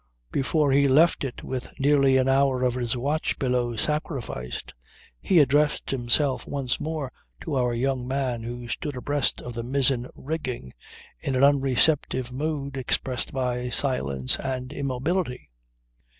Before he left it with nearly an hour of his watch below sacrificed, he addressed himself once more to our young man who stood abreast of the mizzen rigging in an unreceptive mood expressed by silence and immobility.